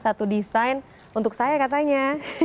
satu desain untuk saya katanya